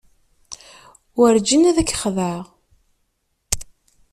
Werǧin ad k-xedɛeɣ.